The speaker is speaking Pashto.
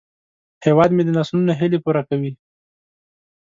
هیواد مې د نسلونو هیلې پوره کوي